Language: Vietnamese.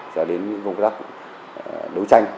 cho đến công tác đấu tranh